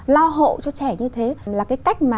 lo hộ cho trẻ như thế là cái cách mà